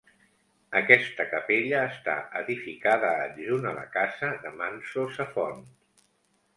Aquesta capella està edificada adjunt a la casa de manso Safont.